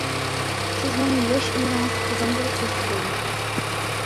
سىزنىڭمۇ ياش ئۆمرىڭىز خازان بولۇپ كەتسە بولمايدۇ.